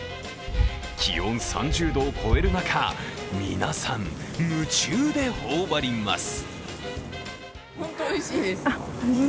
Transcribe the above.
気温３０度を超える中、皆さん、夢中で頬張ります。